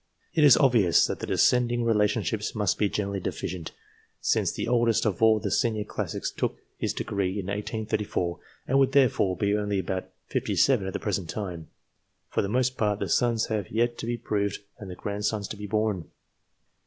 It is obvious that the descending relationships must be generally deficient, since the oldest of all the Senior Classics took his degree in 1824, and would therefore be only about sixty seven at the present time. For the most part the sons have yet to be proved and the grandsons to be born.